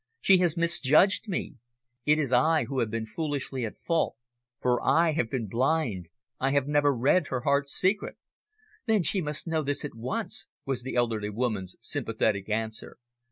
She has misjudged me. It is I who have been foolishly at fault, for I have been blind, I have never read her heart's secret." "Then she must know this at once," was the elderly woman's sympathetic answer.